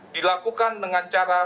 dilakukan dengan cara